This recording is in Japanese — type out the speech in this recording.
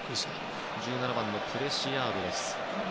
１７番のプレシアードですか。